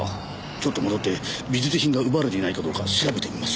ちょっと戻って美術品が奪われていないかどうか調べてみます。